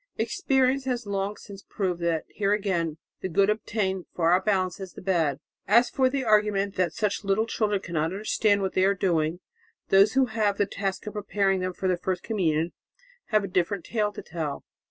Experience has long since proved that here again the good obtained far outbalances the bad. As for the argument that such little children cannot understand what they are doing, those who have the task of preparing them for their first communion have a different tale to tell.